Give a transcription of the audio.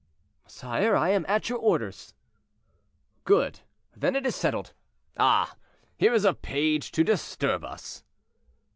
"Sire, I am at your orders." "Good! then it is settled. Ah! here is a page to disturb us."